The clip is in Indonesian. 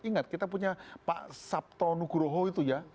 ingat kita punya pak sabto nugroho itu ya